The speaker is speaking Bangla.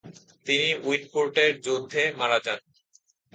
তিনি উইটপুর্টের যুদ্ধে মারা যান।